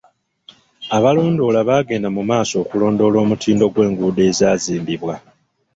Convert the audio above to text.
Abalondoola baagenda mu maaso okulondoola omutindo gw'enguudo ezaazimbibwa.